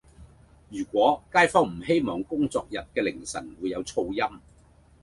如果街坊唔希望工作日嘅凌晨會有噪音